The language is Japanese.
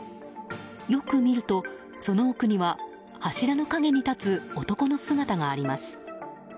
よく見ると、その奥には柱の陰に立つ男の姿があります。